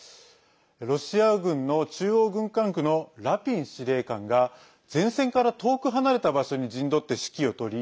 ロシア軍の中央軍管区のラピン司令官が前線から遠く離れた場所に陣取って指揮を執り